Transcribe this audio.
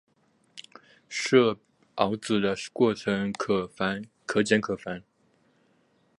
设鏊子的过程可简可繁。